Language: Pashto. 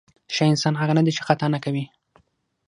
ښه انسان هغه نه دی چې خطا نه کوي.